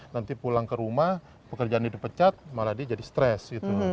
nanti pulang ke rumah pekerjaan itu pecat malah dia jadi stress gitu